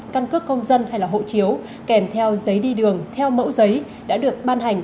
căn cước công dân hay là hộ chiếu kèm theo giấy đi đường theo mẫu giấy đã được ban hành